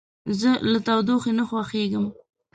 زه له تودوخې نه خوښیږم.